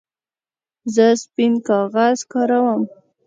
زه سپین کاغذ کاروم.